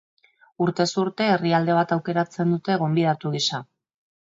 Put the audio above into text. Urtez urte, herrialde bat aukeratzen dute gonbidatu gisa.